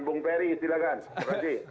bung ferry silahkan